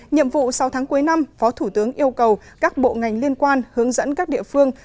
nhiệm vụ sáu tháng cuối năm phó thủ tướng yêu cầu các bộ ngành liên quan hướng dẫn các địa phương